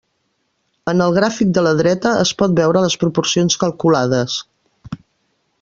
En el gràfic de la dreta es pot veure les proporcions calculades.